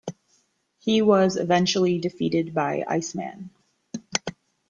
He was eventually defeated by Iceman.